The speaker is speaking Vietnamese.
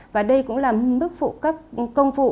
và đây cũng là mức phụ cấp công vụ